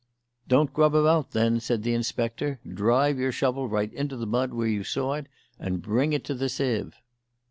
"Don't grub about, then," said the inspector. "Drive your shovel right into the mud where you saw it and bring it to the sieve."